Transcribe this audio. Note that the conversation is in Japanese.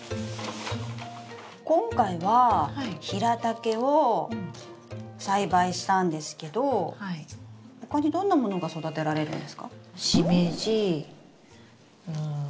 今回はヒラタケを栽培したんですけど他にどんなものが育てられるんですか？